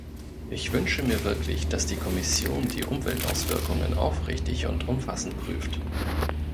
Ich wünsche mir wirklich, dass die Kommission die Umweltauswirkungen aufrichtig und umfassend prüft.